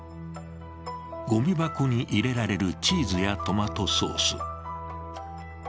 ごみ箱に入れられるチーズやトマトソース。